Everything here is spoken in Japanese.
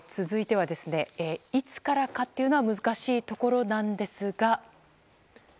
続いてはいつからかというのは難しいところなんですが。